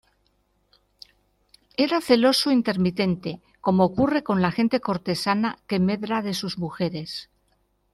era celoso intermitente, como ocurre con la gente cortesana que medra de sus mujeres.